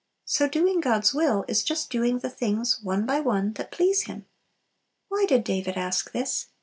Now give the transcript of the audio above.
So doing God's will is just doing the things, one by one, that please Him. Why did David ask this?